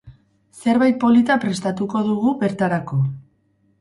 Zerbait polita prestatuko dugu bertarako.